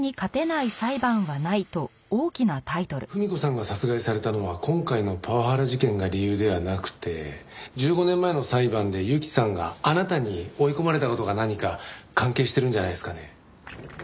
文子さんが殺害されたのは今回のパワハラ事件が理由ではなくて１５年前の裁判で雪さんがあなたに追い込まれた事が何か関係してるんじゃないですかね。